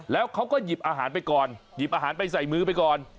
แล้วเขาก็หยิบอาหารไปก่อนหยิบอาหารไปใส่มือไปก่อน